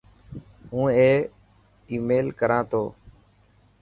هون آي ميل ڪران تو.